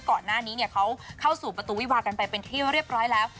ก่อนหน้านี้เขาเข้าสู่ประตูวิวากันไปเป็นที่เรียบร้อยแล้ว